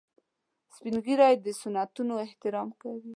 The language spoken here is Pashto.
سپین ږیری د سنتونو احترام کوي